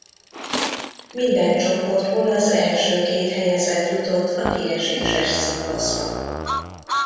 Minden csoportból az első két helyezett jutott a kieséses szakaszba.